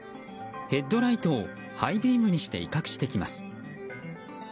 ヘッドライトをハイビームにして威嚇してきます。